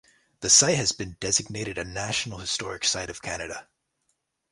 The site has been designated a National Historic Site of Canada.